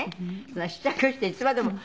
そんな試着していつまでも。